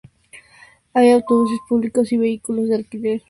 Hay autobuses públicos y vehículos de alquiler.